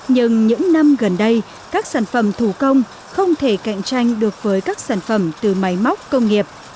nhưng những năm gần đây các sản phẩm thủ công không thể cạnh tranh được với các sản phẩm từ máy móc công nghiệp